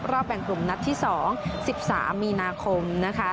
แบ่งกลุ่มนัดที่๒๑๓มีนาคมนะคะ